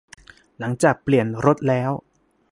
หลังจากเปลี่ยนรถแล้ว